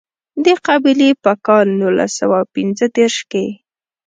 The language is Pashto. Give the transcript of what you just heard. دې قبیلې په کال نولس سوه پېنځه دېرش کې.